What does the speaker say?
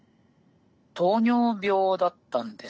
糖尿病だったんです。